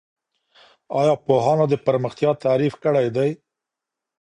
ایا پوهانو د پرمختیا تعریف کړی دی؟